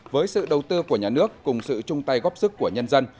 với sự đầu tư của nhà nước cùng sự chung tay góp sức của nhân dân